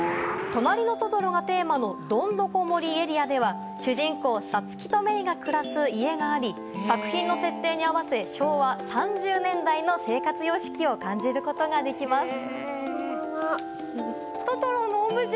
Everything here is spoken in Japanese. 「となりのトトロ」がテーマのどんどこ森エリアでは主人公サツキとメイが暮らす家があり作品の設定に合わせ昭和３０年代の生活様式を感じることができます。